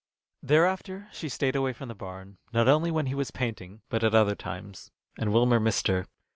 Thereafter she stayed away from the barn, not only when he was painting, but at other times, and Wilmer missed her.